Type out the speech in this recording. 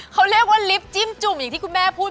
เขาเรียกว่าลิฟต์จิ้มจุ่มอย่างที่คุณแม่พูด